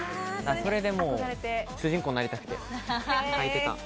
それで主人公になりたくて履いてた。